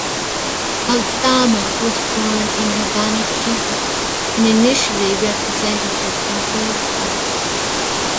Aldama was born in Havana, Cuba, and initially represented her country of birth.